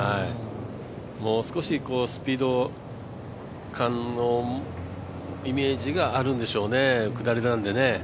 もう少しスピード感のイメージがあるんでしょうね、下りなのでね。